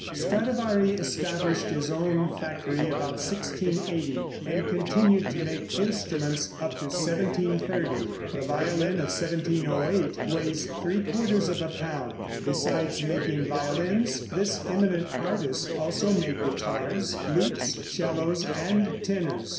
] Stradivari established his own factory about 1680, and continued to make instruments up to 1730. The violin of 1708 weighs three quarters of a pound. Besides making violins, this eminent artist also made guitars, lutes, 'cellos and tenors.